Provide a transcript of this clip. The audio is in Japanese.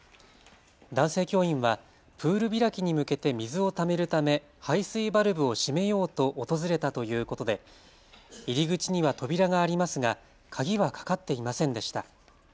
男性教員はプール開きに向けて水をためるため、排水バルブを閉めようと訪れたということで入り口には扉がありますが鍵はかかっていませんでした。